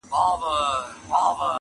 له هر ماښامه تر سهاره بس همدا کیسه وه!!